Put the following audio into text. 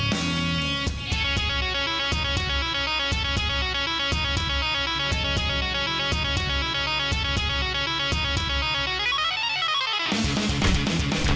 dianya yang berbeda droite